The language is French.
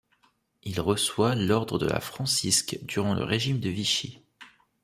Il reçoit l'ordre de la Francisque durant le régime de Vichy.